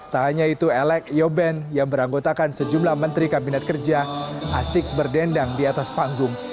tak hanya itu elek yoben yang beranggotakan sejumlah menteri kabinet kerja asik berdendang di atas panggung